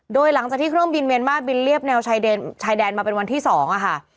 โดยหลังจากที่เครื่องบินเมียนมาร์บินเรียบแนวชายแดนมาเป็นวันที่๒ค่ะ